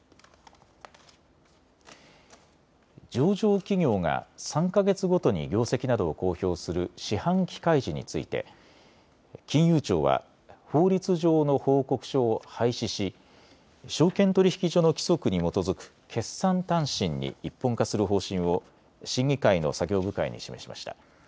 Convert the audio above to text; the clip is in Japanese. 上場企業が３か月ごとに業績などを公表する四半期開示について金融庁は法律上の報告書を廃止し証券取引所の規則に基づく決算短信に一本化する方針を審議会の作業部会に示しました。